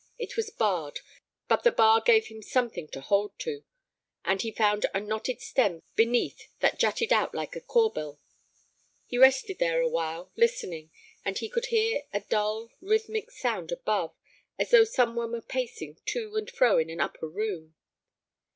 It was barred, but the bar gave him something to hold to, and he found a knotted stem beneath that jutted out like a corbel. He rested there awhile, listening, and he could hear a dull, rhythmic sound above, as though some one were pacing to and fro in an upper room.